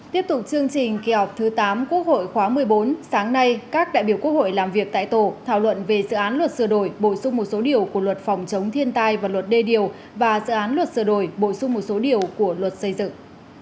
tiếp tục chương trình kỳ họp thứ tám quốc hội khóa một mươi bốn sáng nay các đại biểu quốc hội làm việc tại tổ thảo luận về dự án luật sửa đổi bổ sung một số điều của luật phòng chống thiên tai và luật đê điều và dự án luật sửa đổi bổ sung một số điều của luật xây dựng